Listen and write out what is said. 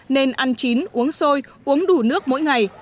nên ăn chín uống sôi uống đủ nước mỗi ngày